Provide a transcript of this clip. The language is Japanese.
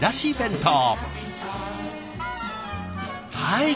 はい！